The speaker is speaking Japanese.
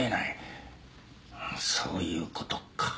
そういう事か。